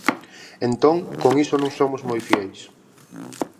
Entón con iso nós somos moi fieis.